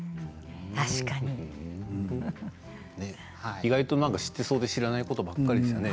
意外と知ってそうで知らないことばかりでしたね。